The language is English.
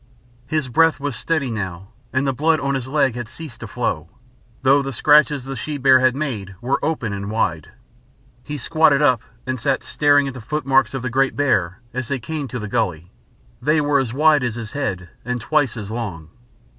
His breath was steady now, and the blood on his leg had ceased to flow, though the scratches the she bear had made were open and wide. He squatted up and sat staring at the footmarks of the great bear as they came to the gully they were as wide as his head and twice as long.